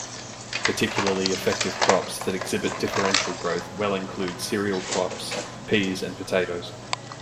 Particularly effective crops that exhibit differential growth well include cereal crops, peas, and potatoes.